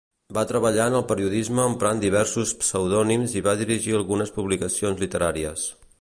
Va treballar en el periodisme emprant diversos pseudònims i va dirigir algunes publicacions literàries.